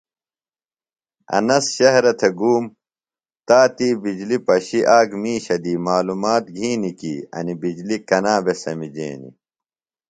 انس شہرہ تھےۡ گُوم۔ تا تی بجلیۡ پشیۡ آک مِیشہ دی معلومات گِھینیۡ کی انیۡ بِجلی کنا بھےۡ سمِجینیۡ۔